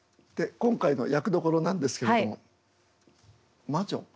で今回の役どころなんですけれども魔女。